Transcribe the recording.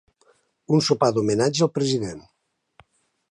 Un sopar d'homenatge al president.